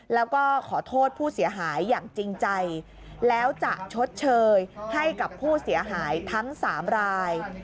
แล้วก็ขอโทษผู้เสียหายอย่างจริงใจแล้วจะชดเชยให้กับผู้เสียหายทั้ง๓ราย